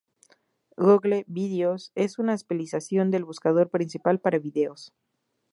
Google Vídeos es una especialización del buscador principal para vídeos.